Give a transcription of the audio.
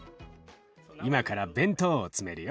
今から弁当を詰めるよ。